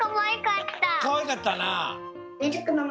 かわいかったな。